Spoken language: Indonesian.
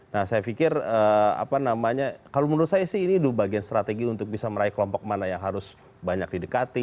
nah saya pikir apa namanya kalau menurut saya sih ini bagian strategi untuk bisa meraih kelompok mana yang harus banyak didekati